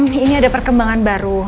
hmm ini ada perkembangan baru